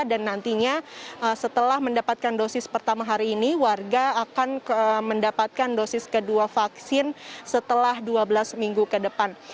dan nantinya setelah mendapatkan dosis pertama hari ini warga akan mendapatkan dosis kedua vaksin setelah dua belas minggu ke depan